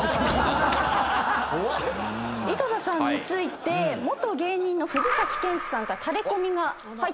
井戸田さんについて元芸人の藤賢嗣さんからタレコミが入っています。